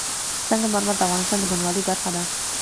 سنگ مرمر د افغانستان د بڼوالۍ برخه ده.